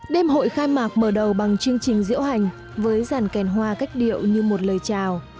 đêm hội khai mạc mở đầu bằng chương trình diễu hành với dàn kèn hoa cách điệu như một lời chào